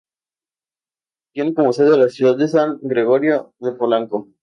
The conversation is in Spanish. Tiene como sede la ciudad de San Gregorio de Polanco.